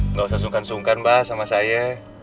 nggak usah sungkan sungkan mbak sama saya